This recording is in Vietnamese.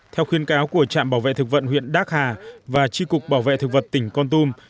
theo khuyên cáo của trạm bảo vệ thực vận huyện đắc hà và tri cục bảo vệ thực vật tỉnh con tum